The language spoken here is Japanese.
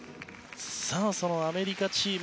アメリカチーム。